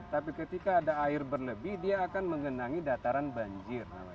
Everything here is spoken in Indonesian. tapi ketika ada air berlebih dia akan mengenangi dataran banjir